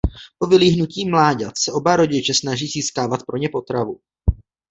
Po vylíhnutí mláďat se oba rodiče snaží získávat pro ně potravu.